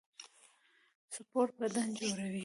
سپورټ بدن جوړوي